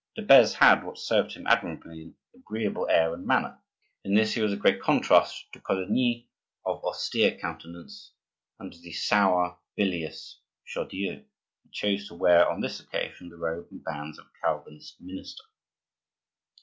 De Beze had, what served him admirably, an agreeable air and manner. In this he was a great contrast to Coligny, of austere countenance, and to the sour, bilious Chaudieu, who chose to wear on this occasion the robe and bands of a Calvinist minister.